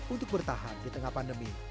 untuk bertahan di tengah pandemi